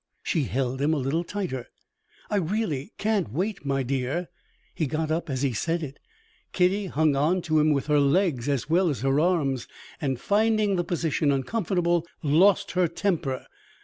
She held him a little tighter. "I really can't wait, my dear;" he got up as he said it. Kitty hung on to him with her legs as well as her arms, and finding the position uncomfortable, lost her temper.